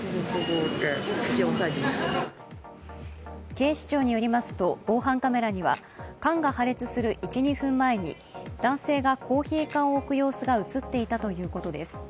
警視庁によりますと防犯カメラには缶が破裂する１２分前に男性がコーヒー缶を置く様子が映っていたということです。